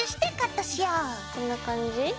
こんな感じ？